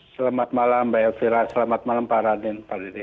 selamat malam mbak elvira selamat malam pak raden pardede